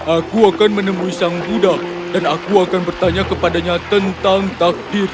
aku akan menemui sang buddha dan aku akan bertanya kepadanya tentang takdir